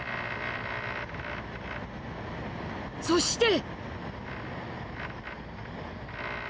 ［そして］